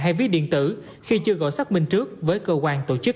hay ví điện tử khi chưa gọi xác minh trước với cơ quan tổ chức